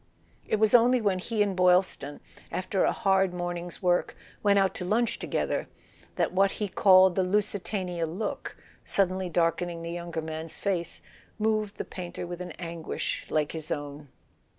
It was only when he and Boylston, after a hard morning's work, went out to lunch together, that what he called the Lusitania look f suddenly darkening the younger man's face, moved the painter with an anguish like his own.